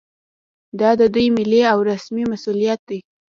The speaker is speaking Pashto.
دا د دوی ملي او رسمي مسوولیت دی